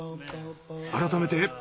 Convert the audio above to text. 改めて。